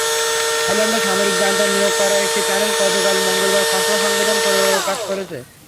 থাইল্যান্ডে সামরিক জান্তার নিয়োগ করা একটি প্যানেল গতকাল মঙ্গলবার খসড়া সংবিধান প্রকাশ করেছে।